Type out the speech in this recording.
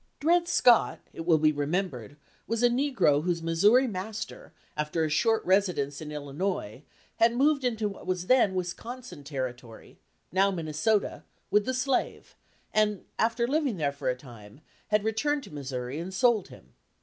Dred Scott, it will be remembered, was a negro whose Missouri master, after a short residence in Illinois, had moved into what was then Wisconsin Territory (now Minnesota) with the slave, and, after living there for a time, had returned to Missouri and sold him.